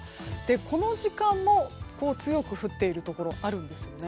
この時間も強く降っているところがあるんですね。